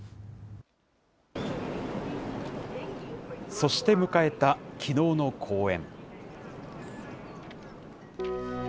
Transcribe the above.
そして、迎えたきのうの公演。